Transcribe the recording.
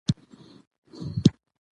بې جوړې نجونې لرلې